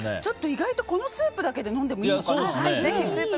意外と、このスープだけで飲んでもいいかな？